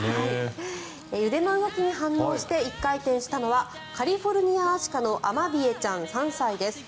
腕の動きに反応して一回転したのはカリフォルニアアシカのアマビエちゃん、３歳です。